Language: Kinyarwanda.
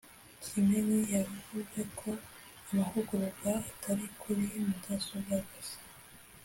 Kimenyi yavuze ko amahugurwa atari kuri mudasobwa gusa